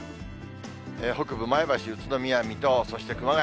北部、前橋、宇都宮、水戸、そして熊谷。